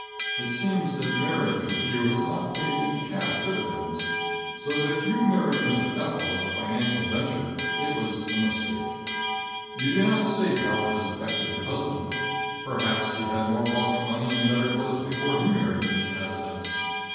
It seems that marriage with you has not paid any cash dividends. So that if you married Mr. Ethel as a financial venture, it was a mistake. You do not state how it has affected your husband. Perhaps he had more pocket money and better clothes before he married than he has since.